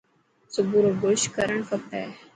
صبح رو برش ڪرڻ کپي